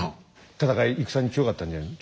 戦い戦に強かったんじゃないの？